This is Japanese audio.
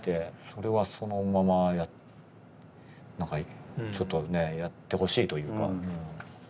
それはそのまま何かちょっとねやってほしいというか。